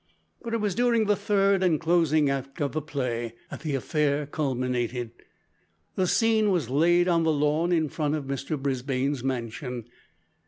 But it was during the third and closing act of the play that the affair culminated. The scene was laid on the lawn in front of Mr Brisbane's mansion.